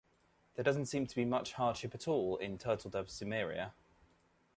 There doesn't seem to be much hardship at all in Turtledove's Cimmeria.